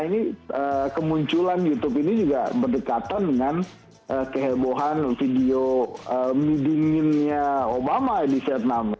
ini kemunculan youtube ini juga berdekatan dengan kehebohan video meeting in nya obama di vietnam